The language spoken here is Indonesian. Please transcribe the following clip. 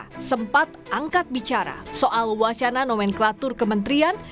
karena sempat angkat bicara soal wacana nomenklatur kementerian